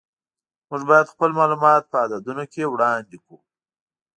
موږ باید خپل معلومات په عددونو کې وړاندې کړو.